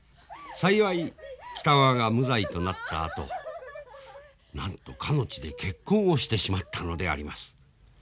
幸い北川が無罪となったあとなんとかの地で結婚をしてしまったのであります。